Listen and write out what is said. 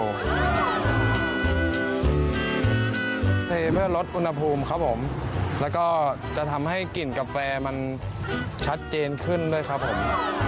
เทเพื่อลดอุณหภูมิครับผมแล้วก็จะทำให้กลิ่นกาแฟมันชัดเจนขึ้นด้วยครับผม